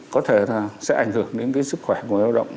có thể là sẽ ảnh hưởng đến cái sức khỏe của người lao động